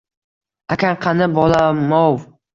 — Akang qani, bolam-ov?